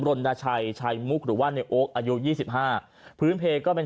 รณชัยชัยมุกหรือว่าในโอ๊คอายุยี่สิบห้าพื้นเพลก็เป็น